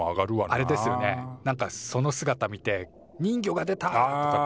あれですよねなんかその姿見て「人魚が出た」とかっつって。